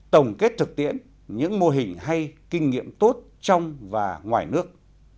tổng kết thực tiễn những mô hình hay kinh nghiệm tốt trong và ngoài nước